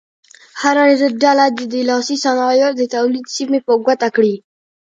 هره ډله دې د لاسي صنایعو د تولید سیمې په ګوته کړي.